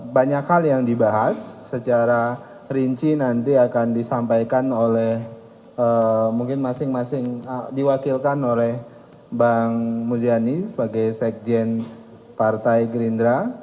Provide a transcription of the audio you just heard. banyak hal yang dibahas secara rinci nanti akan disampaikan oleh mungkin masing masing diwakilkan oleh bang muzani sebagai sekjen partai gerindra